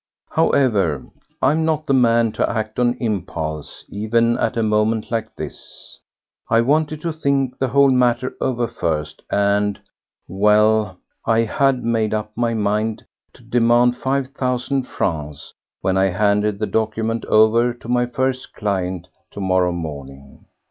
However, I am not the man to act on impulse, even at a moment like this. I wanted to think the whole matter over first, and ... well ... I had made up my mind to demand five thousand francs when I handed the document over to my first client to morrow morning.